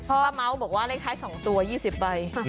ป้าเม้าบอกว่าเลขท้าย๒ตัว๒๐ใบ